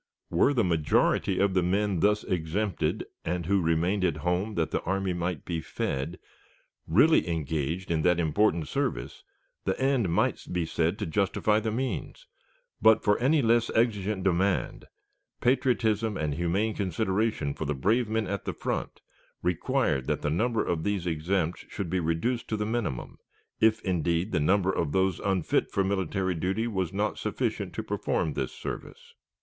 Were the majority of the men thus exempted, and who remained at home "that the army might be fed," really engaged in that important service, the end might be said to justify the means; but, for any less exigent demand, patriotism and humane consideration for the brave men at the front required that the number of these exempts should be reduced to the minimum, if, indeed, the number of those unfit for military duty was not sufficient to perform this service.